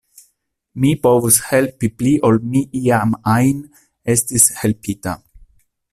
Mi povus helpi pli ol mi iam ajn estis helpita.